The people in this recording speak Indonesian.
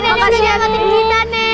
nenek yang bisa nyangatin kita nek